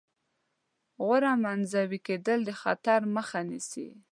غوره منزوي کېدل د خطر مخه نیسي.